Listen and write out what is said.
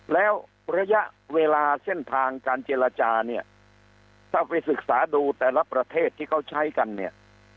แล้วระยะเวลาเส้นทางการเจรจาเนี่ยถ้าไปศึกษาดูแต่ละประเทศที่เขาใช้กันเนี่ย